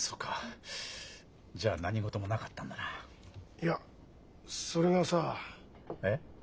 いやそれがさ。えっ？